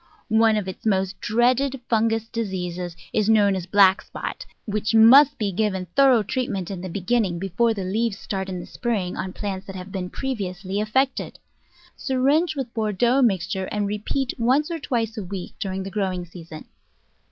One of its most dreaded fungous diseases is known as "black spot," which must be given thorough treatment in the begin ning, before the leaves start in the spring on plants that have been previously affected. Syringe with Bordeaux mixture and repeat once or twice a week during the growing season.